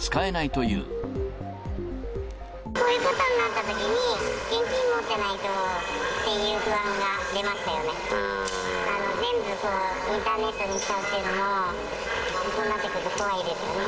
こういうことになったときに、現金持ってないとっていう不安が出ましたよね。